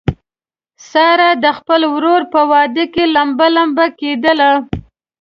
ساره د خپل ورور په واده کې لمبه لمبه کېدله.